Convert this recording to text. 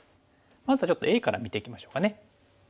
まずはちょっとＡから見ていきましょうかね。